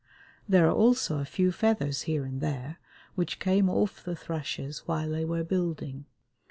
There are also a few feathers here and there, which came off the thrushes while they were building.